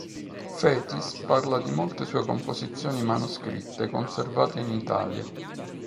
Fétis parla di molte sue composizioni manoscritte conservate in Italia.